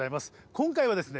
今回はですね